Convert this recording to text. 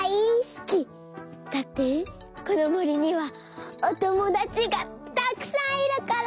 だってこのもりにはおともだちがたくさんいるから！